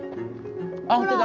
あっ本当だ！